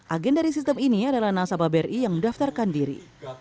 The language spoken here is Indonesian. agen dari sistem ini adalah nasabah bri yang mendaftarkan diri